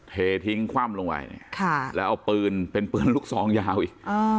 เททิ้งคว่ำลงไปเนี่ยแล้วเอาปืนเป็นปืนลูกซองยาวอีก